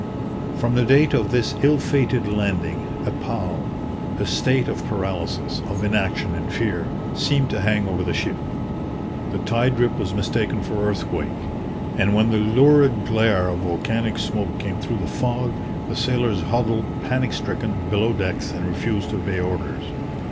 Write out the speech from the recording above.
From the date of this ill fated landing, a pall a state of paralysis, of inaction and fear seemed to hang over the ship. The tide rip was mistaken for earthquake; and when the lurid glare of volcanic smoke came through the fog, the sailors huddled panic stricken below decks and refused to obey orders.